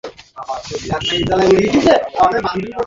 Sir, আদালতের আদেশ ছাড়া, আমরা পাণ্ডুলিপি খুলতে পারি না।